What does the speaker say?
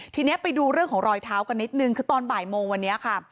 ทีนี้ไปดูเรื่องของรอยเท้ากันนิดนึงคือตอนบ่ายโมงวันนี้ค่ะ